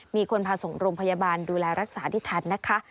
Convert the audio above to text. มีคนพาส่งโรงพยาบาลดูแลรักษาที่ทันนะคะ